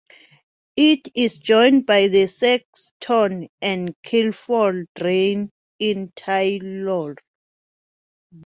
It is joined by the Sexton and Kilfoil Drain in Taylor.